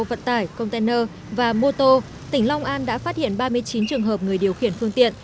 vận tải container và mô tô tỉnh long an đã phát hiện ba mươi chín trường hợp người điều khiển phương tiện